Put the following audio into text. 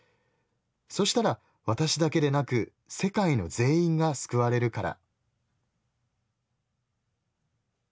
そしたら私だけでなく世界の全員が救われるから」。